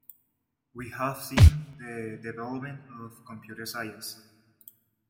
We have seen the development of Computer Science.